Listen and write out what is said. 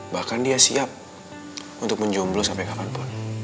bahkan dia siap untuk menjomblo sampai kapanpun